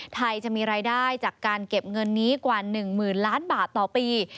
ไทยจะมีรายได้จากการเก็บเงินนี้กว่า๑หมื่นล้านบาทต่อปี